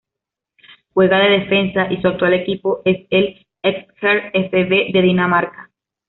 Juega de defensa y su actual equipo es el Esbjerg fB de Dinamarca.